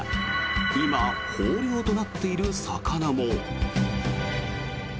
今、豊漁となっている魚も。